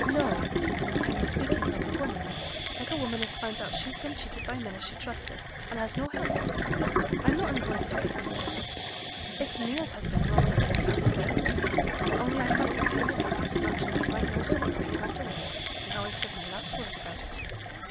'No. I'm speaking like a woman; like a woman as finds out she's been cheated by men as she trusted, and as has no help for it. I'm noane going to say any more about it. It's me as has been wronged, and as has to bear it: only I thought I'd tell yo' both this much, that yo' might know somewhat why he went away, and how I said my last word about it.'